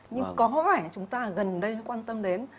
nhưng có vẻ chúng ta gần đây mới quan tâm đến